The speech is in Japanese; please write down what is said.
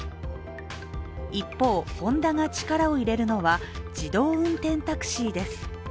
一方、ホンダが力を入れるのは自動運転タクシーです。